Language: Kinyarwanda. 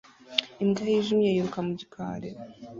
Imbwa yijimye yiruka mu gikari